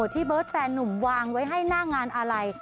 ที่เบิร์ตแฟนนุ่มวางไว้ให้หน้างานอะไร